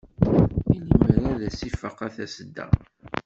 I limer ad aɣ-ifaq a Tasedda?